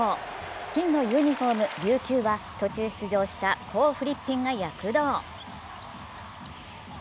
金のユニフォーム、琉球は途中出場したコー・フリッピンが躍動。